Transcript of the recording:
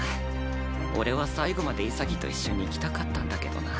俺は最後まで潔と一緒に行きたかったんだけどなあ。